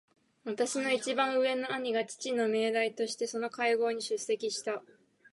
私の一番上の兄が父の名代としてその会合に出席した。